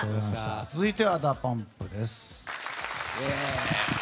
続いてはＤＡＰＵＭＰです。